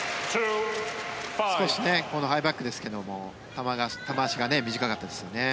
少しハイバックですが球足が短かったですよね。